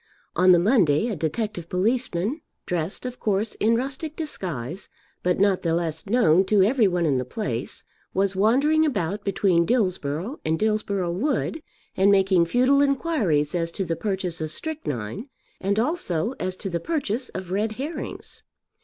On the Monday a detective policeman, dressed of course in rustic disguise but not the less known to every one in the place, was wandering about between Dillsborough and Dillsborough Wood and making futile inquiries as to the purchase of strychnine, and also as to the purchase of red herrings.